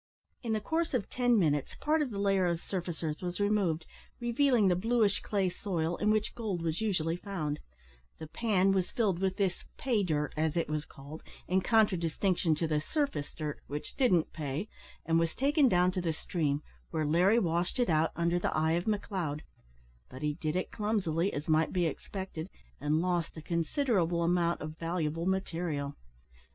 In the course of ten minutes part of the layer of surface earth was removed, revealing the bluish clay soil in which gold was usually found; the pan was filled with this "pay dirt," as it was called, in contradistinction to the "surface dirt," which didn't "pay," and was taken down to the stream, where Larry washed it out under the eye of McLeod; but he did it clumsily, as might be expected, and lost a considerable amount of valuable material.